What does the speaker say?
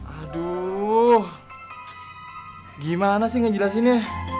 aduh gimana sih ngejelasinnya